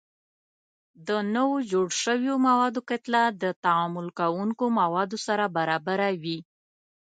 د نوو جوړ شویو موادو کتله د تعامل کوونکو موادو سره برابره وي.